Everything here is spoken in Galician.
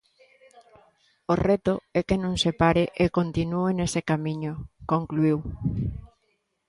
O reto é que non se pare e continúe nese camiño, concluíu.